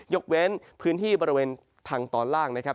เว้นพื้นที่บริเวณทางตอนล่างนะครับ